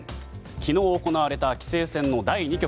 昨日行われた棋聖戦の第２局。